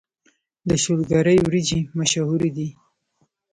د شولګرې وريجې مشهورې دي